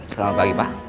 selamat pagi pak